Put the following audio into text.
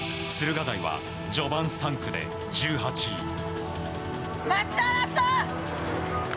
駿河台は序盤３区で１８位。